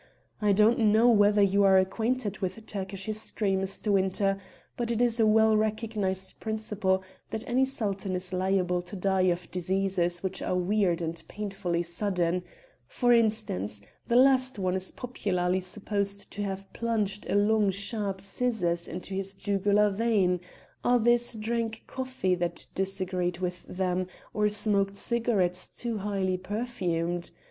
I don't know whether you are acquainted with Turkish history, Mr. Winter, but it is a well recognised principle that any Sultan is liable to die of diseases which are weird and painfully sudden; for instance, the last one is popularly supposed to have plunged a long sharp scissors into his jugular vein; others drank coffee that disagreed with them, or smoked cigarettes too highly perfumed.